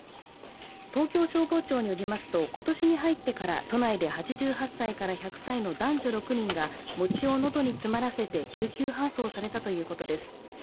東京消防庁によりますと、今年に入ってから都内で８８歳から１００歳の男女６人が餅を喉に詰まらせて救急搬送されたということです。